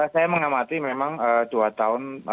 saya mengamati memang dua tahun